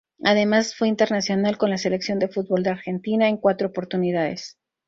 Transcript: Además fue internacional con la Selección de fútbol de Argentina en cuatro oportunidades.